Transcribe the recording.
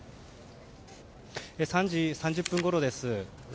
３時３０分ごろです。